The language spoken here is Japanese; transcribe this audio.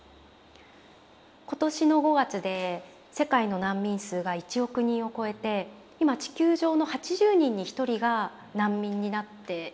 今年の５月で世界の難民数が１億人を超えて今地球上の８０人に１人が難民になってますよね。